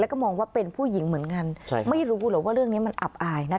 แล้วก็มองว่าเป็นผู้หญิงเหมือนกันใช่ครับ